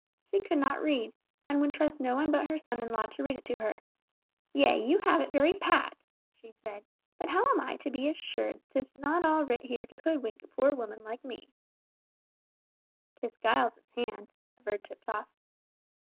She could not read, and would trust no one but her son in law to read it to her. "Yea, you have it very pat," she said, "but how am I to be assured 'tis not all writ here to hoodwink a poor woman like me." "'Tis Giles's hand," averred Tiptoff.